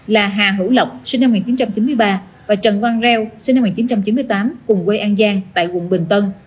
là hà hữu lộc sinh năm một nghìn chín trăm chín mươi ba và trần quang reo sinh năm một nghìn chín trăm chín mươi tám cùng quê an giang tại quận bình tân